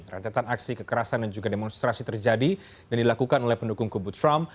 rentetan aksi kekerasan dan juga demonstrasi terjadi dan dilakukan oleh pendukung kubu trump